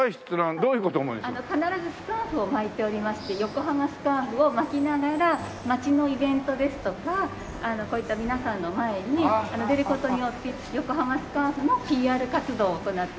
必ずスカーフを巻いておりまして横浜スカーフを巻きながら街のイベントですとかこういった皆さんの前に出る事によって横浜スカーフのＰＲ活動を行っております。